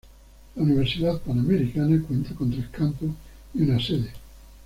La Universidad Panamericana cuenta con tres campus y una sede.